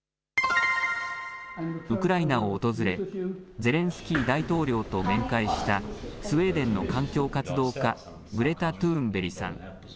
ウクライナを訪れゼレンスキー大統領と面会したスウェーデンの環境活動家グレタ・トゥーンベリさん。